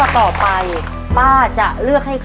ตัวเลือกที่๔๖ดอก